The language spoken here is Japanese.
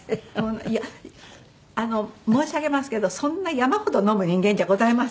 いや申し上げますけどそんな山ほど飲む人間じゃございません。